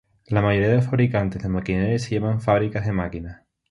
La mayoría de los fabricantes de maquinaria se llaman fábricas de máquinas.